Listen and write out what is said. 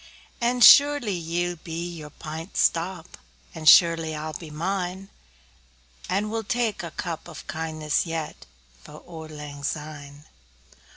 And surely ye'll be your pint stowp, And surely I'll be mine; And we'll tak a cup o' kindness yet For auld lang syne!